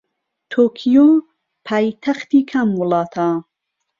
تۆکیۆ پایتەختی کام وڵاتە؟